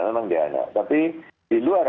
memang di anak tapi di luar